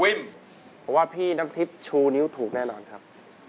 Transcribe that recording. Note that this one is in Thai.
เพราะว่าพี่น้ำทิพย์ชูนิ้วถูกแน่นอนครับ